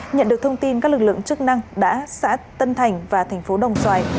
nhận được thông tin các lực lượng chức năng đã xã tân thành và thành phố đồng xoài